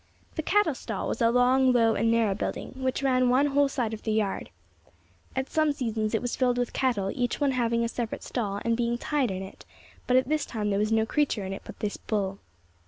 The cattle stall was a long, low, and narrow building, which ran one whole side of the yard. At some seasons it was filled with cattle, each one having a separate stall, and being tied in it, but at this time there was no creature in it but this bull.